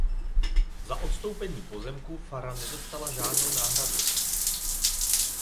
Za odstoupení pozemku fara nedostala žádnou náhradu.